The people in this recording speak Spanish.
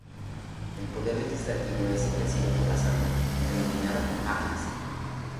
El poder legislativo es ejercido por la asamblea, denominada Majlis.